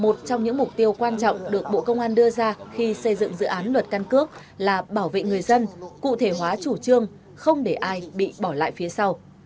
một trong những mục tiêu quan trọng được bộ công an đưa ra khi xây dựng dự án luật căn cước là bảo vệ người dân cụ thể hóa chủ trương không để ai bị bỏ lại phía sau